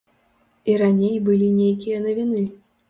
І раней былі нейкія навіны.